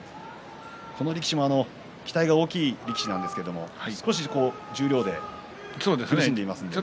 この力士も期待が大きい力士なんですけど少し十両で苦しんでいますね。